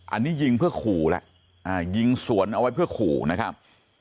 อันนี้ยิงเพื่อขู่แหละยิงสวนเอาไว้เพื่อขู่นะครับ